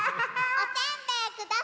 おせんべいくださいで。